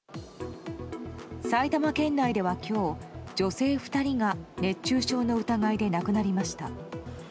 埼玉県内では今日、女性２人が熱中症の疑いで亡くなりました。